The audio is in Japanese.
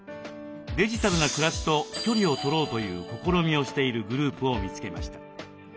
デジタルな暮らしと距離をとろうという試みをしているグループを見つけました。